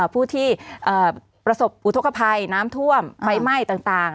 ผู้ที่ประสบอุทธกภัยน้ำท่วมไฟไหม้ต่าง